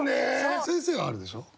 先生はあるでしょ？